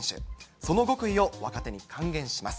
その極意を若手に還元します。